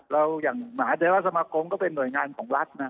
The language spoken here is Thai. แล้วอย่างหมาเจษฐราชสมัครกรมก็เป็นหน่วยงานของรัฐ